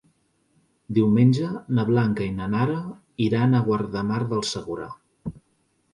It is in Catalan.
Diumenge na Blanca i na Nara iran a Guardamar del Segura.